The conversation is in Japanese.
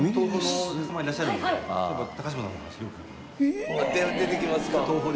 えーっ！出てきますか？